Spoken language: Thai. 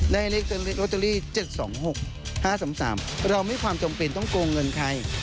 เลขลอตเตอรี่๗๒๖๕๓๓เราไม่ความจำเป็นต้องโกงเงินใคร